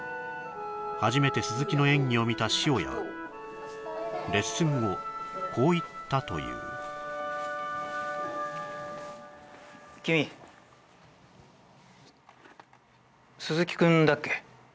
初めて鈴木の演技を見た塩屋はレッスン後こう言ったという君鈴木君だっけ？